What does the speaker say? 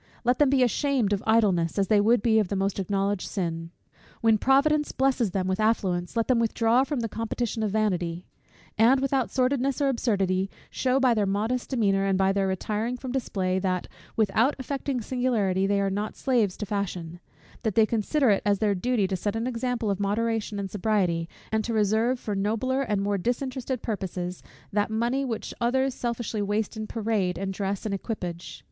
Let them be ashamed of idleness, as they would be of the most acknowledged sin. When Providence blesses them with affluence, let them withdraw from the competition of vanity; and, without sordidness or absurdity, shew by their modest demeanour, and by their retiring from display, that, without affecting singularity, they are not slaves to fashion; that they consider it as their duty to set an example of moderation and sobriety, and to reserve for nobler and more disinterested purposes, that money, which others selfishly waste in parade, and dress, and equipage.